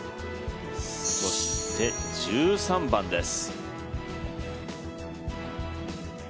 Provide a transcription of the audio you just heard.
そして１３番です。